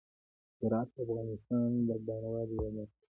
زراعت د افغانستان د بڼوالۍ یوه برخه ده.